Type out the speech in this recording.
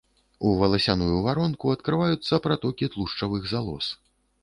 У валасяную варонку адкрываюцца пратокі тлушчавых залоз.